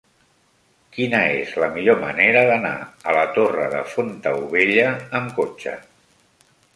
Quina és la millor manera d'anar a la Torre de Fontaubella amb cotxe?